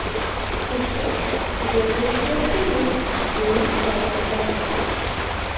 Усё ж, гэта не пластылін і не фабрыка.